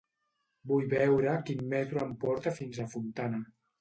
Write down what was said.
Vull veure quin metro em porta fins a Fontana.